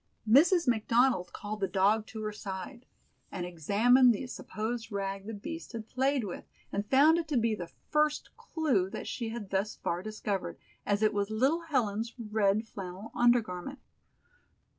Mrs. McDonald called the dog to her side, and examined the supposed rag the beast had played with, and found it to be the first clue that she had thus far discovered, as it was little Helen's red flannel undergarment.